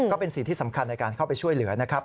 ก็เป็นสิ่งที่สำคัญในการเข้าไปช่วยเหลือนะครับ